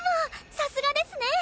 さすがですね！